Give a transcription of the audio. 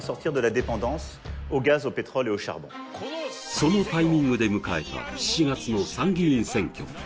そのタイミングで迎えた７月の参議院選挙。